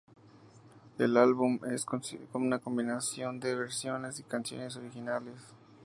El álbum es una combinación de versiones y canciones originales.